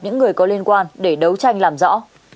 những người có liên quan để đấu tranh làm rõ